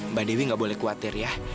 mbak dewi gak boleh kuatir ya